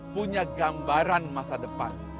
punya gambaran masa depan